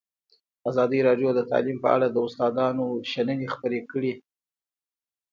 ازادي راډیو د تعلیم په اړه د استادانو شننې خپرې کړي.